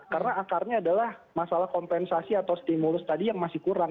karena akarnya adalah masalah kompensasi atau stimulus tadi yang masih kurang